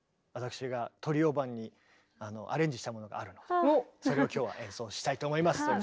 私がトリオ版にアレンジしたものがあるのでそれを今日は演奏したいと思います。